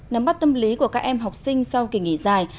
nắm bắt tâm lý của các em học sinh sau kỳ nghỉ dài